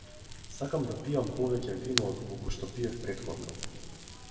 Сакам да пијам повеќе вино отколку што пиев претходно.